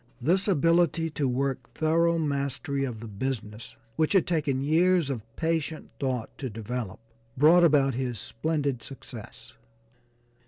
This ability to work thorough mastery of the business, which had taken years of patient thought to develop, brought about his splendid success.